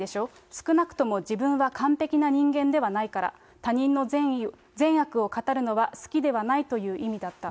少なくとも自分は完璧な人間ではないから、他人の善悪を語るのは好きではないという意味だった。